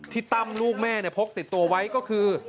ที่ตำลูกแม่พกติดตัวไว้ก็คือ